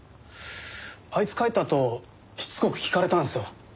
あいつ帰ったあとしつこく聞かれたんですよ。